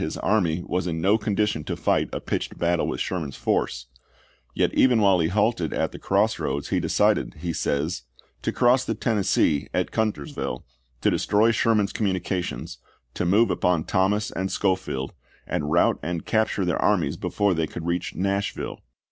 i. his army was in no condition to fight a pitched battle with Sherman's force, yet even while he halted at the Cross Eoads he decided, he says, to cross the Tennessee at Guntersville, to destroy Sherman's communications, to move upon Thomas and Schofield, and rout and capture their armies before they could reach Nashville.